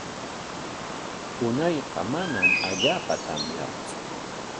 Unayqa manam allaapa tamyaqtsu.